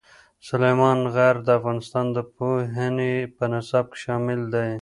سلیمان غر د افغانستان د پوهنې په نصاب کې شامل دی.